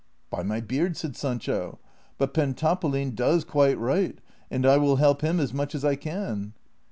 " By my beard," said Sancho, " but Pentapolin does qxiite right, and I will help him as much as I can."